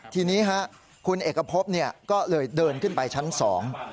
ทีนี้ฮะคุณเอกพบเนี่ยก็เลยเดินขึ้นไปชั้นสอง